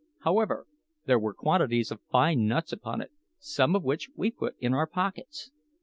However, there were quantities of fine nuts upon it, some of which we put in our pockets.